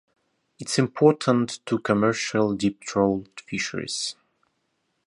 It is important to commercial deep-trawl fisheries.